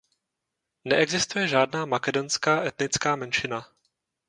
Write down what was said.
Neexistuje žádná makedonská etnická menšina.